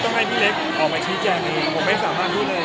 ให้พี่เล็กออกมาชี้แจงเองผมไม่สามารถพูดเลย